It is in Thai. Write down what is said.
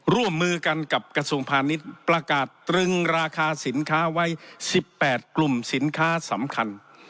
ร่วมมือกันกับกระทรวงพาณิชย์ประกาศตรึงราคาสินค้าไว้๑๘กลุ่มสินค้าสำคัญ